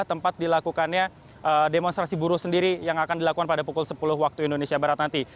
tempat dilakukannya demonstrasi buruh sendiri yang akan dilakukan pada pukul sepuluh waktu indonesia barat nanti